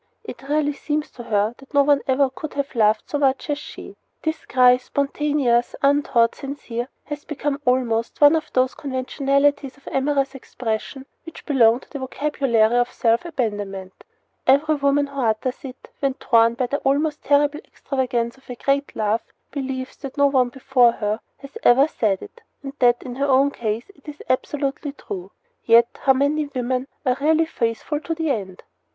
It really seems to her that no one ever could have loved so much as she. This cry spontaneous, untaught, sincere has become almost one of those conventionalities of amorous expression which belong to the vocabulary of self abandonment. Every woman who utters it, when torn by the almost terrible extravagance of a great love, believes that no one before her has ever said it, and that in her own case it is absolutely true. Yet, how many women are really faithful to the end?